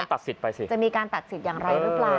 ตัดสิทธิ์ไปสิจะมีการตัดสิทธิ์อย่างไรหรือเปล่า